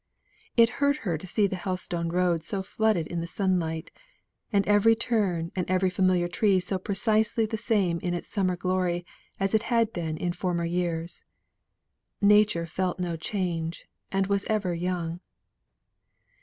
It hurt her to see the Helstone road so flooded in the sunlight, and every turn and every familiar tree so precisely the same in its summer glory as it had been in former years. Nature felt no change and was ever young.